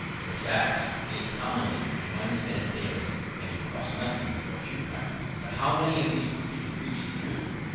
Your tax is commonly one cent daily, and it costs nothing for pew hire. But how many of these preachers preach the truth?